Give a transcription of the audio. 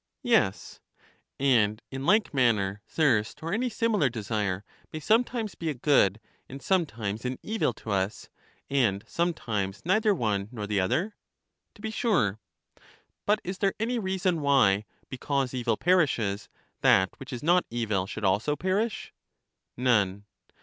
Yes. And in like manner thirst or any similar desire may sometimes be a good and sometimes an evil to us, and sometimes neither one nor the other? To be sure. But is there any reason why, because evil perishes, that which is not evil should also perish? None.